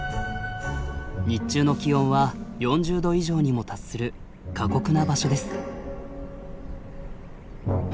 日中の気温は４０度以上にも達する過酷な場所です。